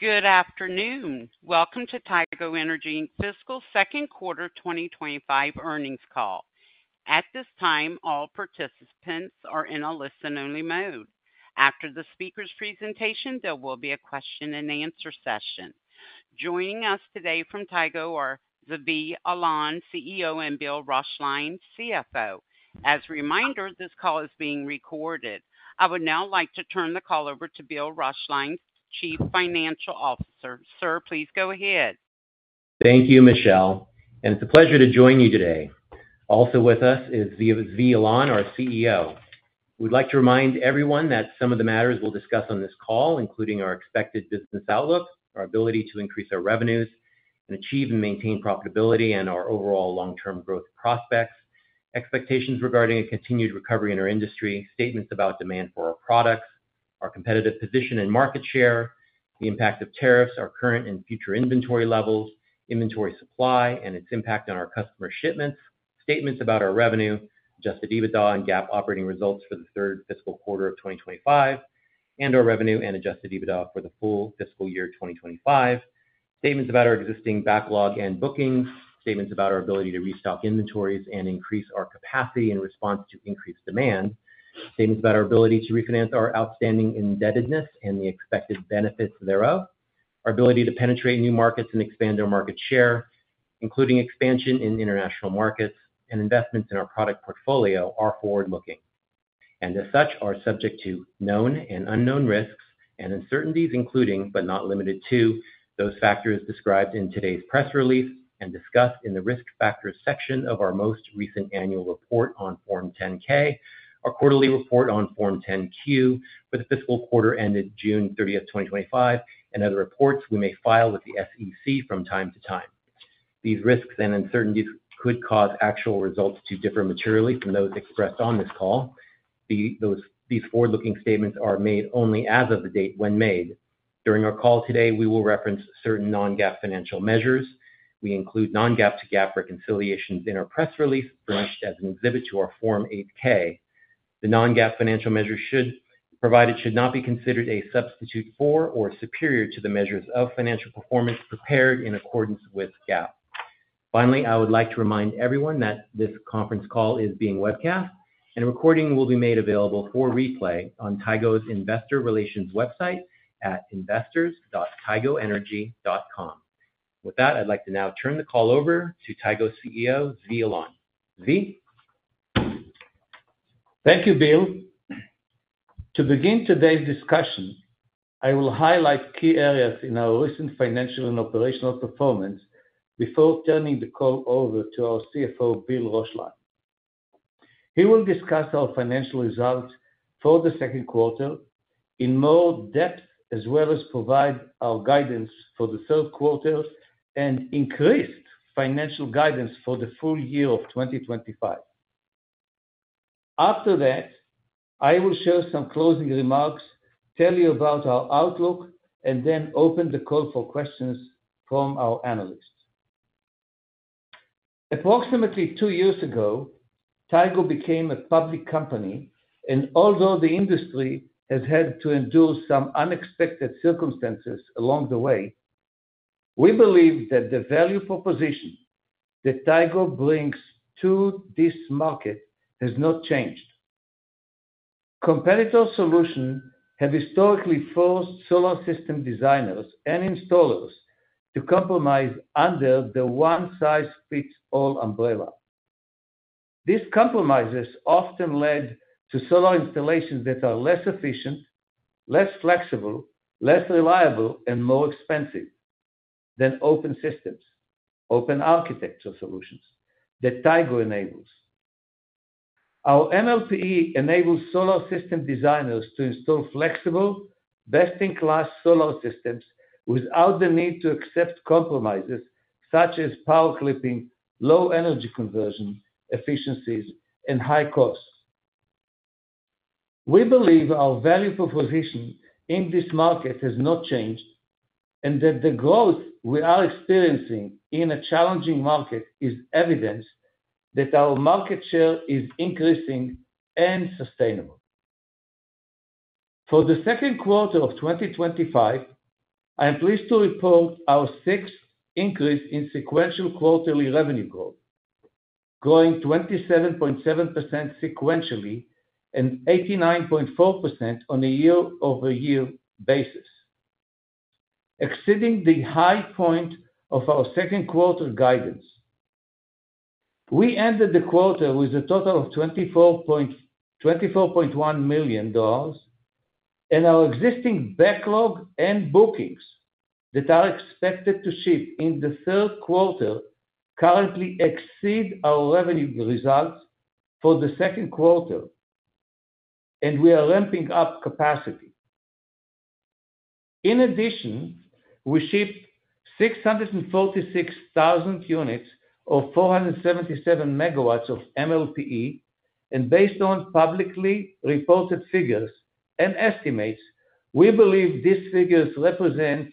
Good afternoon. Welcome to Tigo Energy's Fiscal Second Quarter 2025 Earnings Call. At this time, all participants are in a listen-only mode. After the speaker's presentation, there will be a question and answer session. Joining us today from Tigo are Zvi Alon, CEO, and Bill Roeschlein, CFO. As a reminder, this call is being recorded. I would now like to turn the call over to Bill Roeschlein, Chief Financial Officer. Sir, please go ahead. Thank you, Michelle, and it's a pleasure to join you today. Also with us is Zvi Alon, our CEO. We'd like to remind everyone that some of the matters we'll discuss on this call, including our expected business outlook, our ability to increase our revenues and achieve and maintain profitability, and our overall long-term growth prospects, expectations regarding a continued recovery in our industry, statements about demand for our products, our competitive position and market share, the impact of tariffs, our current and future inventory levels, inventory supply, and its impact on our customer shipments, statements about our revenue, adjusted EBITDA, and GAAP operating results for the third fiscal quarter of 2025, and our revenue and adjusted EBITDA for the full fiscal year 2025, statements about our existing backlog and bookings, statements about our ability to restock inventories and increase our capacity in response to increased demand, statements about our ability to refinance our outstanding indebtedness and the expected benefits thereof, our ability to penetrate new markets and expand our market share, including expansion in international markets, and investments in our product portfolio are forward-looking. As such, are subject to known and unknown risks and uncertainties, including but not limited to those factors described in today's press release and discussed in the risk factors section of our most recent annual report on Form 10-K, our quarterly report on Form 10-Q for the fiscal quarter ended June 30, 2025, and other reports we may file with the SEC from time to time. These risks and uncertainties could cause actual results to differ materially from those expressed on this call. These forward-looking statements are made only as of the date when made. During our call today, we will reference certain non-GAAP financial measures. We include non-GAAP to GAAP reconciliations in our press release furnished as an exhibit to our Form 8-K. The non-GAAP financial measures provided should not be considered a substitute for or superior to the measures of financial performance prepared in accordance with GAAP. Finally, I would like to remind everyone that this conference call is being webcast, and a recording will be made available for replay on Tigo Energy's investor relations website at investors.tigoenergy.com. With that, I'd like to now turn the call over to Tigo Energy's CEO, Zvi Alon. Zvi? Thank you, Bill. To begin today's discussion, I will highlight key areas in our recent financial and operational performance before turning the call over to our CFO, Bill Roeschlein. He will discuss our financial results for the second quarter in more depth, as well as provide our guidance for the third quarter and increased financial guidance for the full year of 2025. After that, I will share some closing remarks, tell you about our outlook, and then open the call for questions from our analysts. Approximately two years ago, Tigo Energy became a public company, and although the industry has had to endure some unexpected circumstances along the way, we believe that the value proposition that Tigo Energy brings to this market has not changed. Competitor solutions have historically forced solar system designers and installers to compromise under the one-size-fits-all umbrella. These compromises often led to solar installations that are less efficient, less flexible, less reliable, and more expensive than open systems, open architecture solutions that Tigo Energy enables. Our MLPE enables solar system designers to install flexible, best-in-class solar systems without the need to accept compromises such as power clipping, low energy conversion, efficiencies, and high costs. We believe our value proposition in this market has not changed, and that the growth we are experiencing in a challenging market is evidence that our market share is increasing and sustainable. For the second quarter of 2025, I am pleased to report our sixth increase in sequential quarterly revenue growth, growing 27.7% sequentially and 89.4% on a year-over-year basis, exceeding the high point of our second quarter guidance. We ended the quarter with a total of $24.1 million, and our existing backlog and bookings that are expected to ship in the third quarter currently exceed our revenue results for the second quarter, and we are ramping up capacity. In addition, we shipped 646,000 units or 477 megawatts of MLPE, and based on publicly reported figures and estimates, we believe these figures represent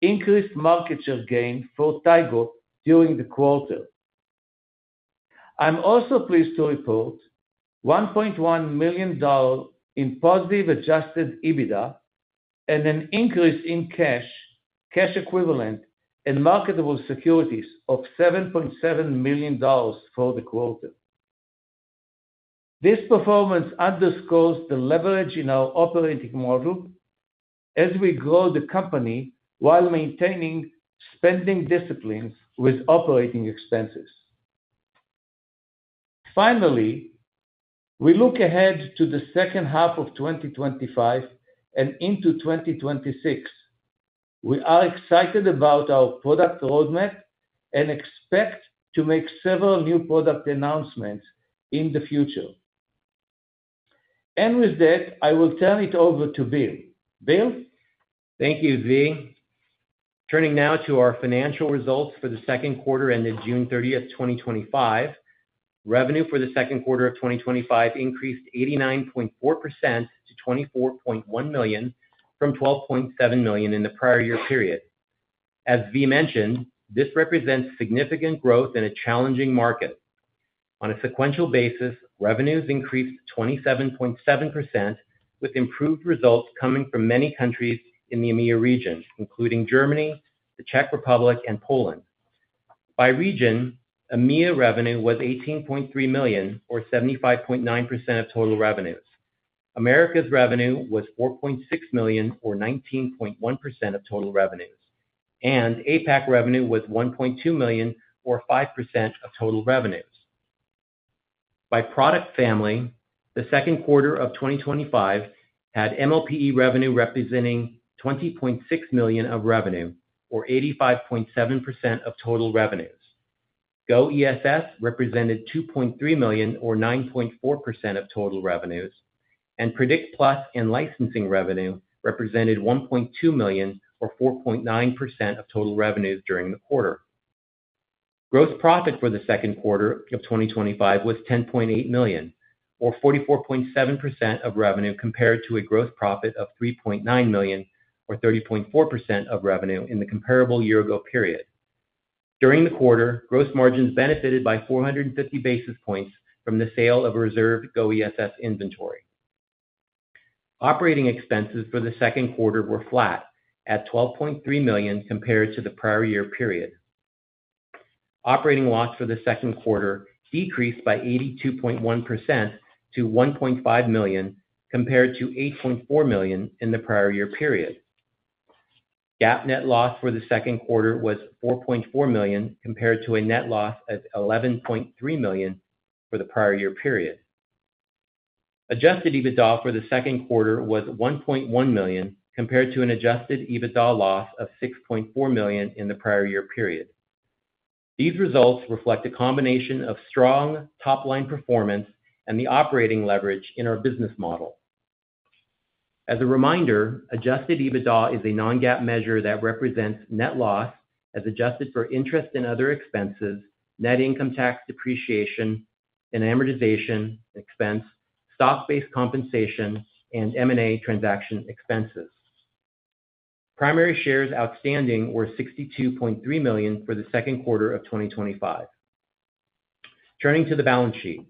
increased market share gain for Tigo Energy during the quarter. I'm also pleased to report $1.1 million in positive adjusted EBITDA and an increase in cash, cash equivalent, and marketable securities of $7.7 million for the quarter. This performance underscores the leverage in our operating model as we grow the company while maintaining spending disciplines with operating expenses. Finally, we look ahead to the second half of 2025 and into 2026. We are excited about our product roadmap and expect to make several new product announcements in the future. With that, I will turn it over to Bill. Bill? Thank you, Zvi. Turning now to our financial results for the second quarter ended June 30, 2025. Revenue for the second quarter of 2025 increased 89.4% to $24.1 million from $12.7 million in the prior year period. As Zvi mentioned, this represents significant growth in a challenging market. On a sequential basis, revenues increased 27.7% with improved results coming from many countries in the EMEA region, including Germany, the Czech Republic, and Poland. By region, EMEA revenue was $18.3 million, or 75.9% of total revenues. America's revenue was $4.6 million, or 19.1% of total revenues. APAC revenue was $1.2 million, or 5% of total revenues. By product family, the second quarter of 2025 had MLPE revenue representing $20.6 million of revenue, or 85.7% of total revenues. GO ESS represented $2.3 million, or 9.4% of total revenues. And Predict+ and licensing revenue represented $1.2 million, or 4.9% of total revenues during the quarter. Gross profit for the second quarter of 2025 was $10.8 million, or 44.7% of revenue compared to a gross profit of $3.9 million, or 30.4% of revenue in the comparable year-ago period. During the quarter, gross margins benefited by 450 basis points from the sale of a reserved GO ESS inventory. Operating expenses for the second quarter were flat at $12.3 million compared to the prior year period. Operating loss for the second quarter decreased by 82.1% to $1.5 million compared to $8.4 million in the prior year period. GAAP net loss for the second quarter was $4.4 million compared to a net loss of $11.3 million for the prior year period. Adjusted EBITDA for the second quarter was $1.1 million compared to an adjusted EBITDA loss of $6.4 million in the prior year period. These results reflect a combination of strong top-line performance and the operating leverage in our business model. As a reminder, adjusted EBITDA is a non-GAAP measure that represents net loss as adjusted for interest and other expenses, net income tax depreciation and amortization expense, stock-based compensation, and M&A transaction expenses. Primary shares outstanding were 62.3 million for the second quarter of 2025. Turning to the balance sheet,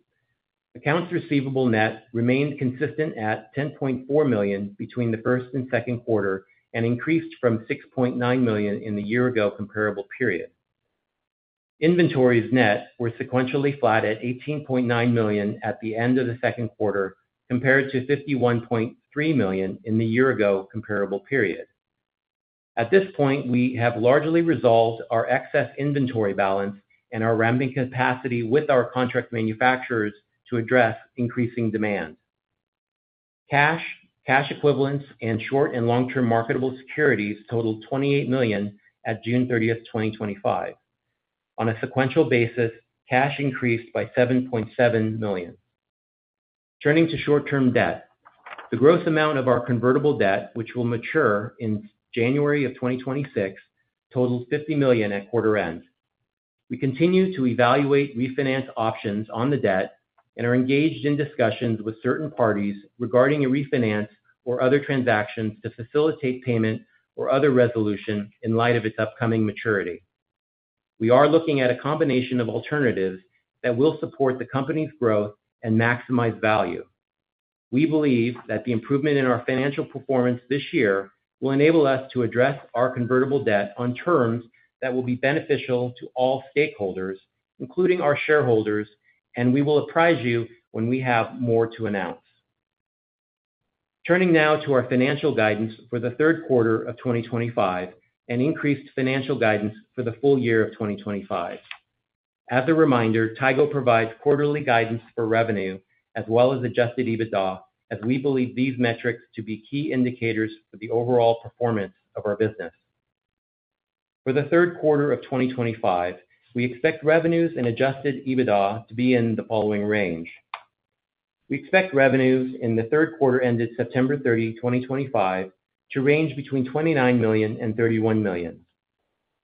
accounts receivable net remained consistent at $10.4 million between the first and second quarter and increased from $6.9 million in the year-ago comparable period. Inventories net were sequentially flat at $18.9 million at the end of the second quarter compared to $51.3 million in the year-ago comparable period. At this point, we have largely resolved our excess inventory balance and are ramping capacity with our contract manufacturers to address increasing demand. Cash, cash equivalents, and short and long-term marketable securities totaled $28 million at June 30, 2025. On a sequential basis, cash increased by $7.7 million. Turning to short-term debt, the gross amount of our convertible debt, which will mature in January of 2026, totals $50 million at quarter end. We continue to evaluate refinance options on the debt and are engaged in discussions with certain parties regarding a refinance or other transactions to facilitate payment or other resolution in light of its upcoming maturity. We are looking at a combination of alternatives that will support the company's growth and maximize value. We believe that the improvement in our financial performance this year will enable us to address our convertible debt on terms that will be beneficial to all stakeholders, including our shareholders, and we will apprise you when we have more to announce. Turning now to our financial guidance for the third quarter of 2025 and increased financial guidance for the full year of 2025. As a reminder, Tigo Energy provides quarterly guidance for revenue as well as adjusted EBITDA as we believe these metrics to be key indicators for the overall performance of our business. For the third quarter of 2025, we expect revenues and adjusted EBITDA to be in the following range. We expect revenues in the third quarter ended September 30, 2025, to range between $29 million and $31 million.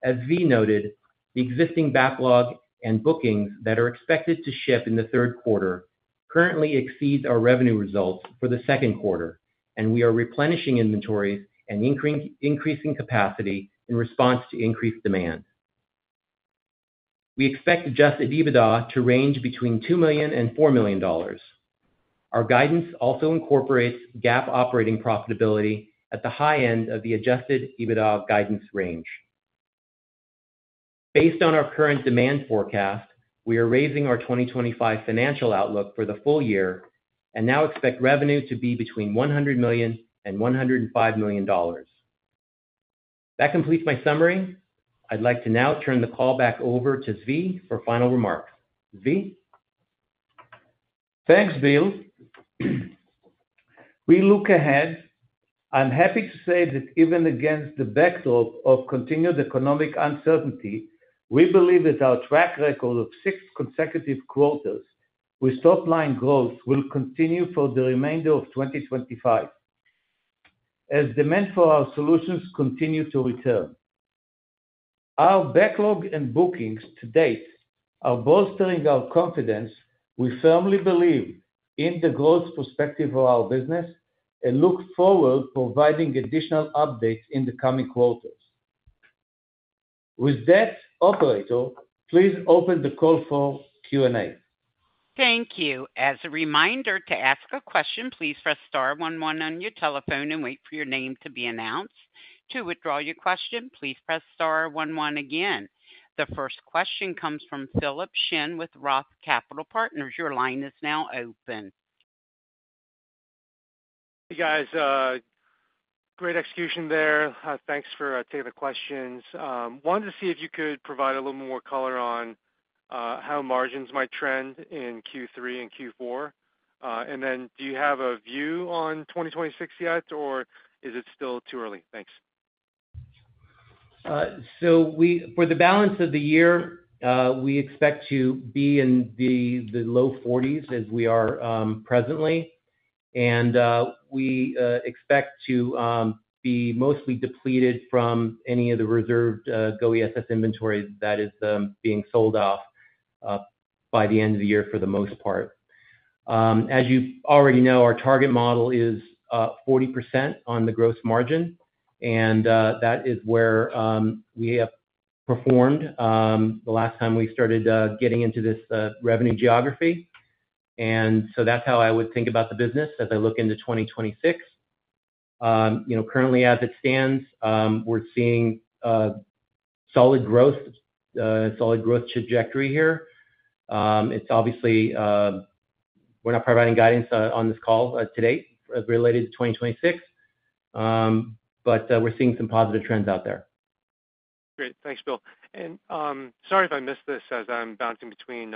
As Zvi noted, the existing backlog and bookings that are expected to ship in the third quarter currently exceed our revenue results for the second quarter, and we are replenishing inventories and increasing capacity in response to increased demand. We expect adjusted EBITDA to range between $2 million and $4 million. Our guidance also incorporates GAAP operating profitability at the high end of the adjusted EBITDA guidance range. Based on our current demand forecast, we are raising our 2025 financial outlook for the full year and now expect revenue to be between $100 million and $105 million. That completes my summary. I'd like to now turn the call back over to Zvi for final remarks. Zvi? Thanks, Bill. We look ahead. I'm happy to say that even against the backdrop of continued economic uncertainty, we believe that our track record of six consecutive quarters with top-line growth will continue for the remainder of 2025 as demand for our solutions continues to return. Our backlog and bookings to date are bolstering our confidence. We firmly believe in the growth perspective of our business and look forward to providing additional updates in the coming quarters. With that, operator, please open the call for Q&A. Thank you. As a reminder, to ask a question, please press *11 on your telephone and wait for your name to be announced. To withdraw your question, please press *11 again. The first question comes from Philip Shen with Roth Capital Partners. Your line is now open. Hey, guys! Great execution there. Thanks for taking the questions. Wanted to see if you could provide a little more color on how margins might trend in Q3 and Q4. Do you have a view on 2026 yet, or is it still too early? Thanks. For the balance of the year, we expect to be in the low 40% as we are presently, and we expect to be mostly depleted from any of the reserved GO ESS inventory that is being sold off by the end of the year for the most part. As you already know, our target model is 40% on the gross margin, and that is where we have performed the last time we started getting into this revenue geography. That's how I would think about the business as I look into 2026. Currently, as it stands, we're seeing solid growth trajectory here. Obviously, we're not providing guidance on this call today related to 2026, but we're seeing some positive trends out there. Great. Thanks, Bill. Sorry if I missed this as I'm bouncing between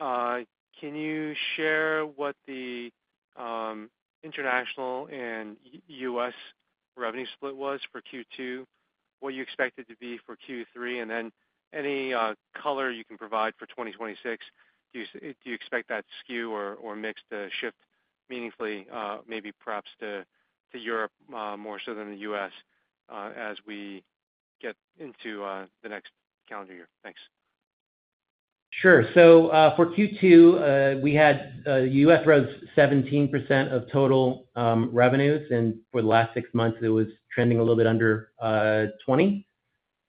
earnings. Can you share what the international and U.S. revenue split was for Q2, what you expect it to be for Q3, and then any color you can provide for 2026? Do you expect that skew or mix to shift meaningfully, maybe perhaps to Europe more so than the U.S. as we get into the next calendar year? Thanks. Sure. For Q2, we had U.S. growth at 17% of total revenues, and for the last six months, it was trending a little bit under 20%.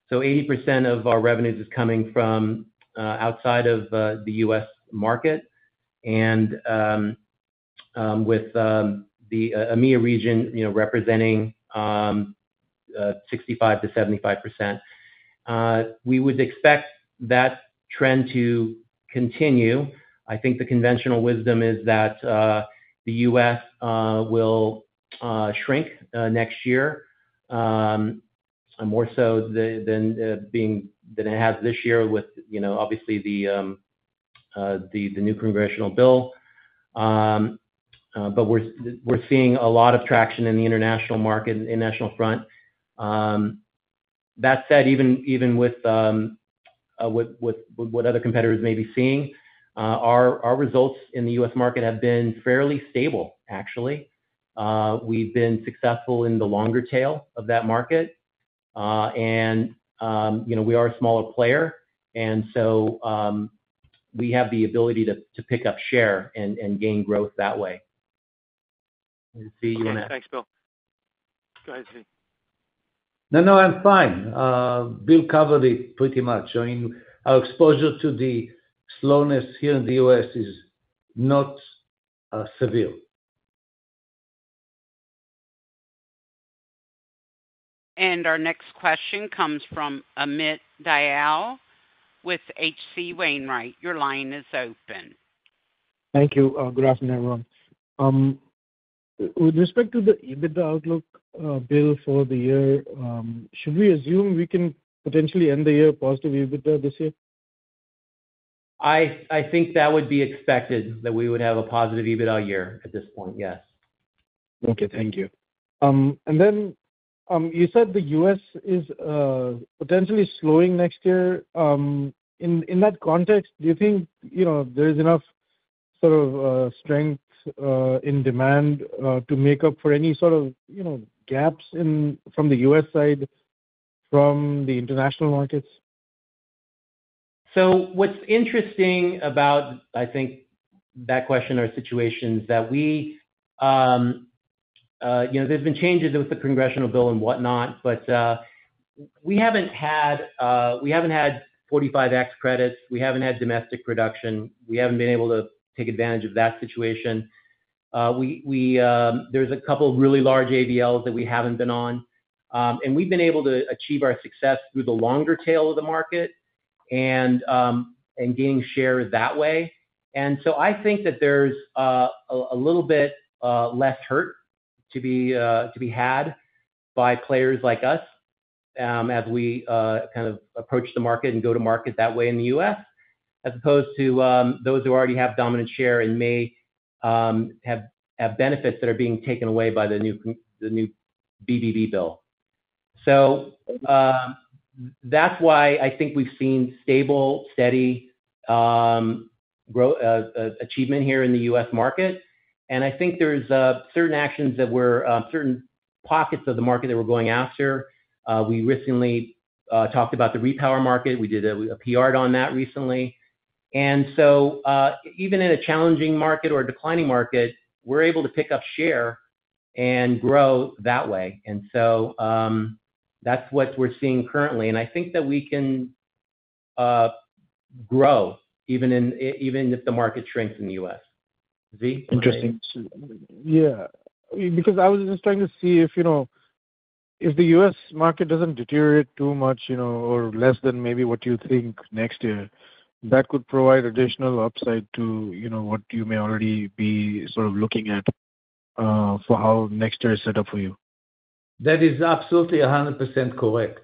So 80% of our revenues is coming from outside of the U.S. market, with the EMEA region representing 65% to 75%. We would expect that trend to continue. I think the conventional wisdom is that the U.S. will shrink next year, more so than it has this year with obviously the new congressional bill. We're seeing a lot of traction in the international market and international front. That said, even with what other competitors may be seeing, our results in the U.S. market have been fairly stable, actually. We've been successful in the longer tail of that market, and we are a smaller player, so we have the ability to pick up share and gain growth that way. Thanks, Bill. Go ahead, Zvi. No, I'm fine. Bill covered it pretty much. I mean, our exposure to the slowness here in the U.S. is not severe. Our next question comes from Amit Dayal with H.C. Wainwright. Your line is open. Thank you. Good afternoon, everyone. With respect to the EBITDA outlook, Bill, for the year, should we assume we can potentially end the year positive EBITDA this year? I think that would be expected, that we would have a positive EBITDA year at this point, yes. Thank you. You said the U.S. is potentially slowing next year. In that context, do you think there is enough sort of strength in demand to make up for any sort of gaps from the U.S. side from the international markets? What's interesting about that question or situation is that we, you know, there's been changes with the congressional bill and whatnot, but we haven't had 45X credits. We haven't had domestic production. We haven't been able to take advantage of that situation. There's a couple of really large AVLs that we haven't been on, and we've been able to achieve our success through the longer tail of the market and gain share that way. I think that there's a little bit less hurt to be had by players like us as we kind of approach the market and go to market that way in the U.S., as opposed to those who already have dominant share and may have benefits that are being taken away by the new BBB bill. That's why I think we've seen stable, steady growth achievement here in the U.S. market. I think there's certain actions that we're, certain pockets of the market that we're going after. We recently talked about the repower market. We did a PR on that recently. Even in a challenging market or declining market, we're able to pick up share and grow that way. That's what we're seeing currently. I think that we can grow even if the market shrinks in the U.S. Interesting. Yeah. Because I was just trying to see if, you know, the U.S. market doesn't deteriorate too much or less than maybe what you think next year. That could provide additional upside to what you may already be sort of looking at for how next year is set up for you. That is absolutely 100% correct.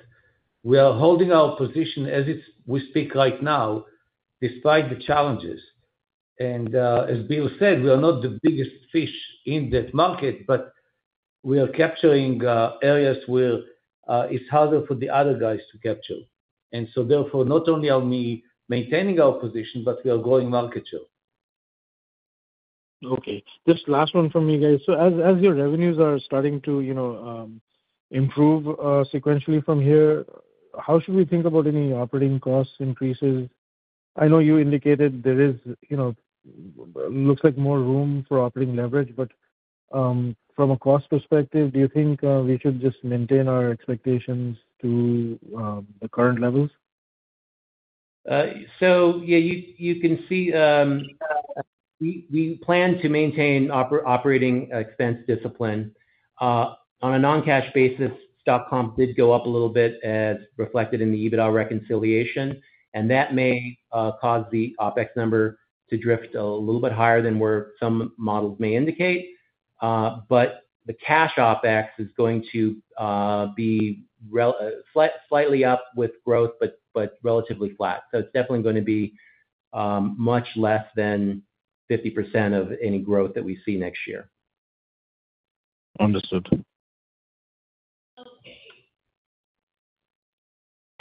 We are holding our position as we speak right now despite the challenges. And as Bill said, we are not the biggest fish in that market, but we are capturing areas where it's harder for the other guys to capture. Therefore, not only are we maintaining our position, but we are growing market share. Okay. Just last one from you, guys. As your revenues are starting to improve sequentially from here, how should we think about any operating cost increases? I know you indicated there is, you know, it looks like more room for operating leverage, but from a cost perspective, do you think we should just maintain our expectations to the current levels? You can see we plan to maintain operating expense discipline. On a non-cash basis, stock comp did go up a little bit as reflected in the EBITDA reconciliation, and that may cause the OpEx number to drift a little bit higher than some models may indicate. The cash OpEx is going to be slightly up with growth, but relatively flat. It's definitely going to be much less than 50% of any growth that we see next year. Understood.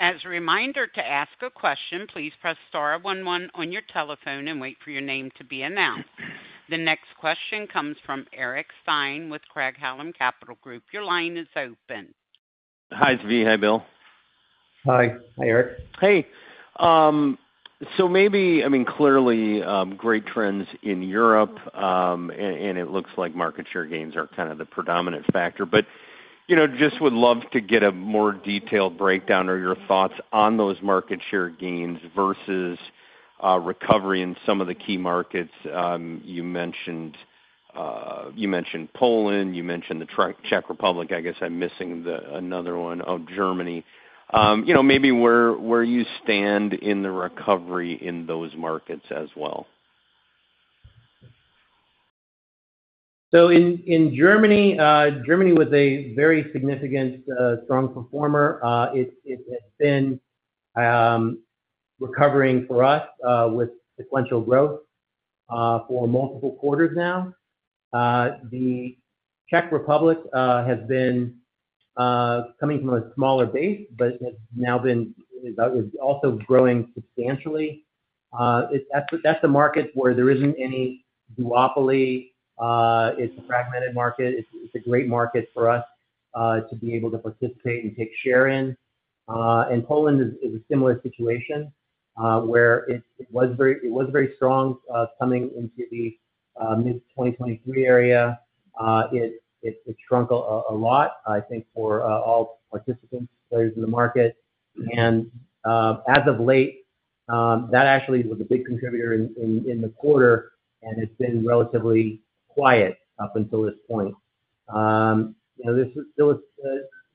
As a reminder, to ask a question, please press *11 on your telephone and wait for your name to be announced. The next question comes from Eric Stine with Craig-Hallum Capital Group. Your line is open. Hi, Zvi. Hi, Bill. Hi, Eric. Hey, maybe, I mean, clearly, great trends in Europe, and it looks like market share gains are kind of the predominant factor. You know, just would love to get a more detailed breakdown or your thoughts on those market share gains versus recovery in some of the key markets. You mentioned Poland, you mentioned the Czech Republic. I guess I'm missing another one, Germany. You know, maybe where you stand in the recovery in those markets as well. In Germany, Germany was a very significant, strong performer. It has been recovering for us with sequential growth for multiple quarters now. The Czech Republic has been coming from a smaller base, but has now been also growing substantially. That's a market where there isn't any duopoly. It's a fragmented market. It's a great market for us to be able to participate and take share in. Poland is a similar situation where it was very strong coming into the mid-2023 area. It shrunk a lot, I think, for all participants, players in the market. As of late, that actually was a big contributor in the quarter, and it's been relatively quiet up until this point.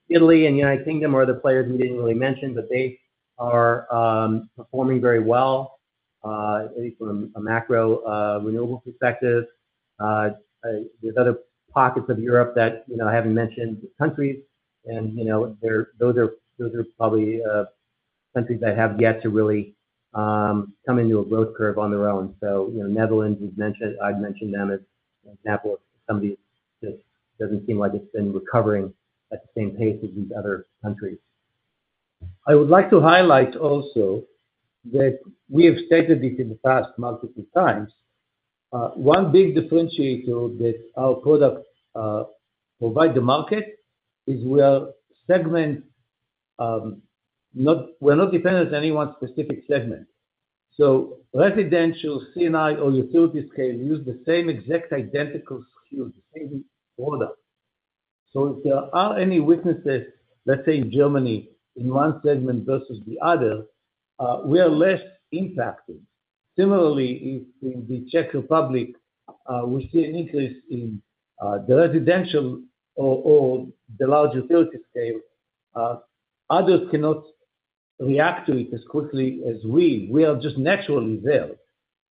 Italy and the United Kingdom are the players we didn't really mention, but they are performing very well, at least from a macro renewable perspective. There are other pockets of Europe that I haven't mentioned, countries, and you know, those are probably countries that have yet to really come into a growth curve on their own. Netherlands, I'd mention them as an example of somebody that doesn't seem like it's been recovering at the same pace as these other countries. I would like to highlight also that we have stated this in the past multiple times. One big differentiator that our product provides the market is we are segmented. We're not dependent on any one specific segment. Residential, C&I, or utility scale use the same exact identical skills in the same order. If there are any weaknesses, let's say in Germany, in one segment versus the other, we are less impacted. Similarly, in the Czech Republic, we see an increase in the residential or the large utility scale. Others cannot react to it as quickly as we. We are just naturally there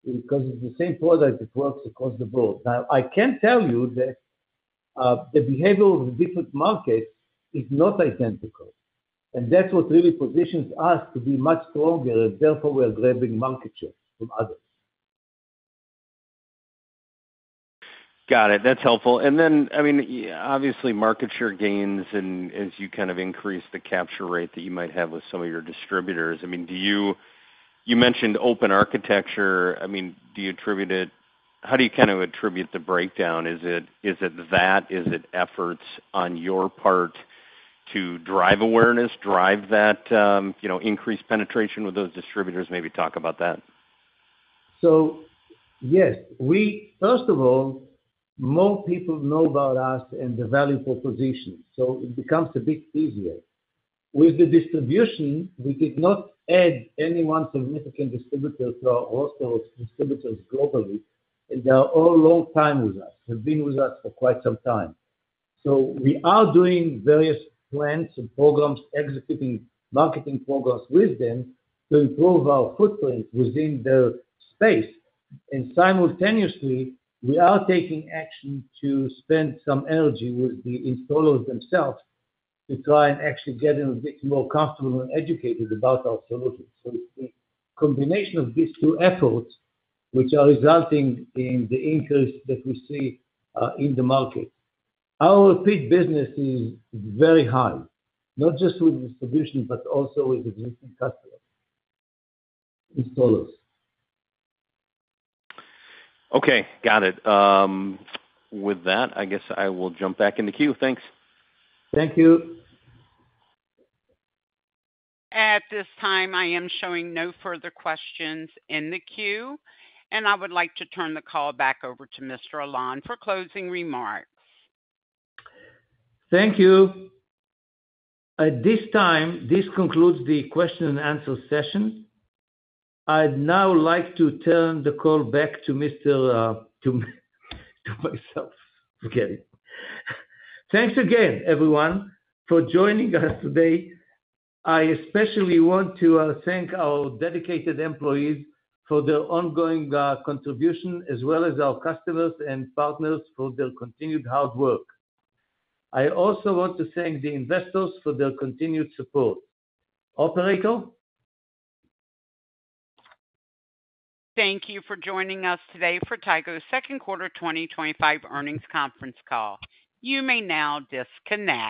because it's the same product that works across the board. I can tell you that the behavior of different markets is not identical, and that's what really positions us to be much stronger, and therefore we're grabbing market share from others. Got it. That's helpful. Obviously, market share gains and as you kind of increase the capture rate that you might have with some of your distributors. You mentioned open architecture. Do you attribute it? How do you kind of attribute the breakdown? Is it that? Is it efforts on your part to drive awareness, drive that increased penetration with those distributors? Maybe talk about that. Yes, first of all, more people know about us and the value proposition, so it becomes a bit easier. With the distribution, we did not add any significant distributors to our wholesale distributors globally, and they are all long-time with us. They've been with us for quite some time. We are doing various plans and programs, executing marketing programs with them to improve our footprint within their space. Simultaneously, we are taking action to spend some energy with the installers themselves to try and actually get them a bit more comfortable and educated about our product. A combination of these two efforts is resulting in the increase that we see in the market. Our repeat business is very high, not just with distribution, but also with existing customers and installers. Okay. Got it. With that, I guess I will jump back in the queue. Thanks. Thank you. At this time, I am showing no further questions in the queue, and I would like to turn the call back over to Mr. Alon for closing remarks. Thank you. At this time, this concludes the question and answer session. I'd now like to turn the call back to Mr. to myself, forget it. Thanks again, everyone, for joining us today. I especially want to thank our dedicated employees for their ongoing contribution, as well as our customers and partners for their continued hard work. I also want to thank the investors for their continued support. Operator? Thank you for joining us today for Tigo Energy's Second Quarter 2025 Earnings conference call. You may now disconnect.